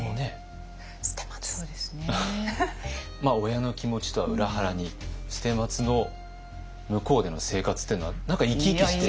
親の気持ちとは裏腹に捨松の向こうでの生活というのは何か生き生きして。